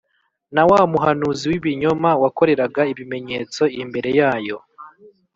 na wa muhanuzi w’ibinyoma wakoreraga ibimenyetso imbere yayo,